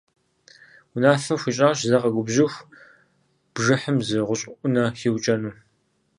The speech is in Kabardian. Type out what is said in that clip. Унафэ хуищӀащ зэ къэгубжьыху бжыхьым зы гъущӀ Ӏунэ хиукӀэну.